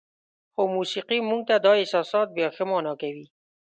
خو موسیقي موږ ته دا احساسات بیا ښه معنا کوي.